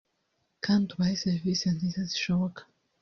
kandi ubahe serivisi nziza zishoboka